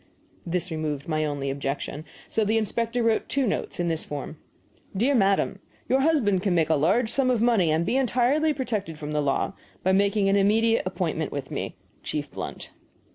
This removed my only objection. So the inspector wrote two notes, in this form: DEAR MADAM, Your husband can make a large sum of money (and be entirely protected from the law) by making an immediate, appointment with me. Chief BLUNT.